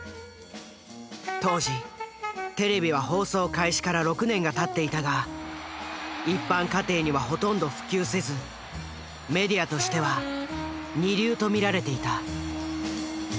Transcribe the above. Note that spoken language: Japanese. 当時テレビは放送開始から６年がたっていたが一般家庭にはほとんど普及せずメディアとしては二流と見られていた。